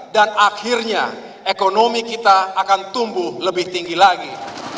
dan akhirnya ekonomi kita akan tumbuh lebih tinggi lagi